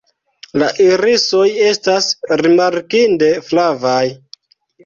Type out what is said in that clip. La irisoj estas rimarkinde flavaj.